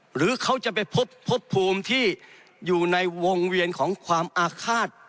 หรือเขาจะไปพบพบภูมิที่อยู่ในวงเวียนของความอาฆาต